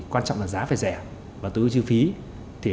quan trọng là giá phải rẻ và tươi chi phí